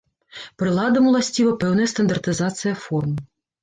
Прыладам уласціва пэўная стандартызацыя форм.